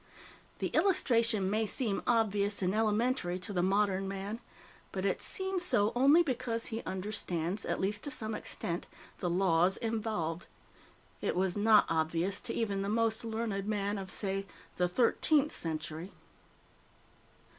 The illustration may seem obvious and elementary to the modern man, but it seems so only because he understands, at least to some extent, the laws involved. It was not obvious to even the most learned man of, say, the Thirteenth Century.